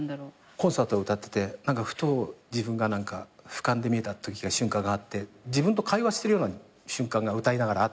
コンサートで歌っててふと自分がふかんで見えた瞬間があって自分と会話してるような瞬間が歌いながらあって。